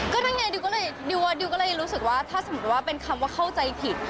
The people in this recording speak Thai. ก็นั่นไงดิวก็เลยดิวดิวก็เลยรู้สึกว่าถ้าสมมุติว่าเป็นคำว่าเข้าใจผิด